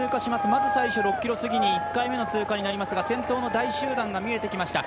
まず最初、６ｋｍすぎに１回目の通過となりますが先頭の大集団が見えてきました。